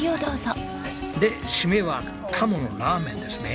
で締めは鴨のラーメンですね。